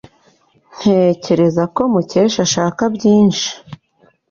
Ntekereza ko Mukesha ashaka byinshi.